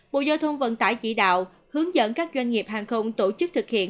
bộ giao thông vận tải chỉ đạo hướng dẫn các doanh nghiệp hàng không tổ chức thực hiện